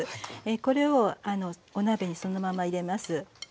これをお鍋にそのまま入れます。